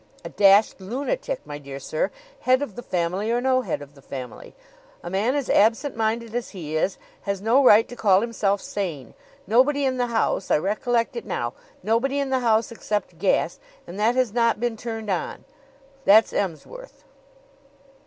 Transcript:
"A dashed lunatic, my dear sir head of the family or no head of the family. A man as absent minded as he is has no right to call himself sane. Nobody in the house I recollect it now nobody in the house except gas, and that has not been turned on. That's Emsworth!"